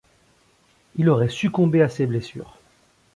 Il aurait succombé à ses blessures.